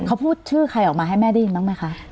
เขาพูดชื่อใครออกมาให้แม่ได้ยินบ้างไหมคะ